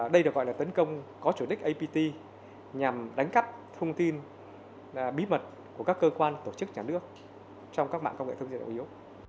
đây được gọi là tấn công có chủ đích apt nhằm đánh cắp thông tin bí mật của các cơ quan tổ chức nhà nước trong các mạng công nghệ thông tin đội yếu